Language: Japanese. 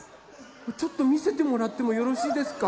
ちょっとみせてもらってもよろしいですか？